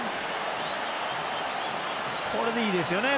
これでいいんですよね。